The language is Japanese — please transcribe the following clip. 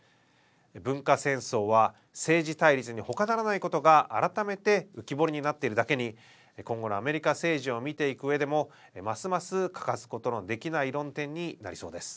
文化戦争は政治対立に他ならないことが改めて浮き彫りになっているだけに今後のアメリカ政治を見ていくうえでもますます欠かすことのできない論点になりそうです。